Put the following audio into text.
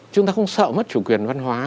chúng ta không sợ mất chủ quyền văn hóa